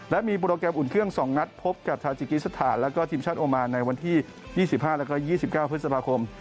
และมีโปรแกรมอุ่นเครื่อง๒นัดพบกับทาจิกิสถานแล้วก็ทีมชาติโอมานในวันที่๒๕แล้วก็๒๙พฤษภาคม